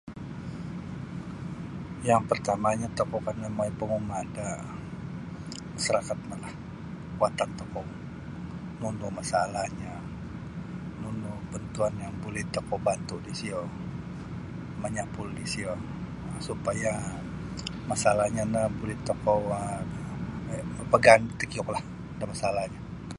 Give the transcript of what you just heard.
Yang partamanyo tokou kana mongoi panguma da masarakat no lah watan tokou nunu masalahnyo nunu bantuan yang buli tokou bantu disiyo manyapul disiyo supaya masalahnyo no buli tokou um mapagaan takiuklah da masalahnyo no.